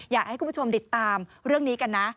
อยากให้คุณผู้ชมติดตามเรื่องนี้กันนะ